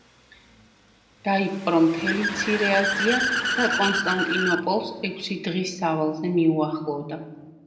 დაიპყრო მთელი მცირე აზია და კონსტანტინოპოლს ექვსი დღის სავალზე მიუახლოვდა.